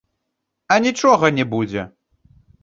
А нічога не будзе!